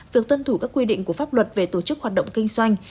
việc tuân thủ các quy định của pháp luật về tổ chức hoạt động kinh doanh